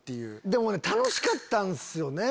でもね楽しかったんすよね。